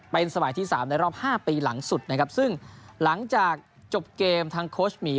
เป็นสมัยที่สามในรอบ๕ปีหลังสุดนะครับซึ่งหลังจากจบเกมทางโค้ชหมี